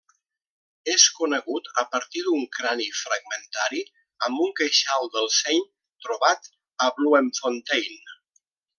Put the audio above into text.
És conegut a partir d'un crani fragmentari amb un queixal del seny trobat a Bloemfontein.